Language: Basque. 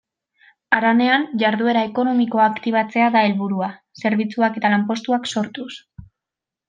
Haranean jarduera ekonomikoa aktibatzea da helburua, zerbitzuak eta lanpostuak sortuz.